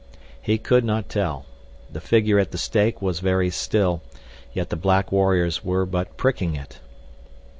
He could not tell. The figure at the stake was very still, yet the black warriors were but pricking it.